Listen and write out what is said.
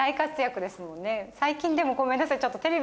最近でもごめんなさい。